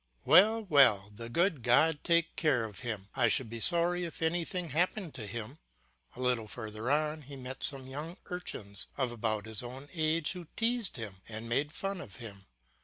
"Well, well; the good God take care of him. I should be sorry if anything happened to him." A little further on he met some young urchins of about his own age who teased him and made fun of him.